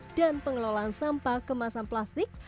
dan pengelolaan sampah kemasan plastik